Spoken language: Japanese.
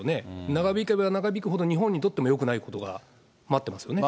長引けば長引くほど、日本にとってもよくないことが待ってますよね。